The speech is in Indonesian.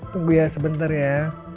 tunggu ya sebentar ya